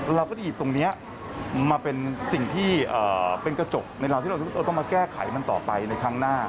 เราก็จะหยิบตรงนี้มาเป็นสิ่งที่เป็นกระจกในเราที่เราต้องมาแก้ไขมันต่อไปในครั้งหน้า